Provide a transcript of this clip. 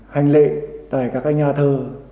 hành lễ tại các cái nhà thơ